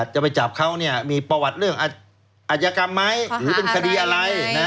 จะไปจับเขามีประวัติเรื่องอาจยกรรมไหมหรือเป็นคดีอะไร